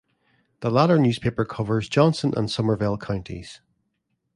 The latter newspaper covers Johnson and Somervell counties.